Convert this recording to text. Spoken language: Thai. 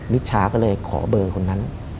มิชชาก็เลยขอเบอร์คนนั้น